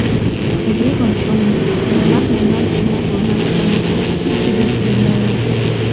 Тыге гын, шонем, нунат мемнан семынак шонат, икте-весым умылена.